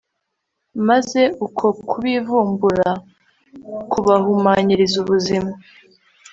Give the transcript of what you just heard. maze uko kubivumbura kubahumanyiriza ubuzima